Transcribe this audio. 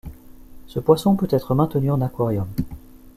Ce poisson peut être maintenu en aquarium.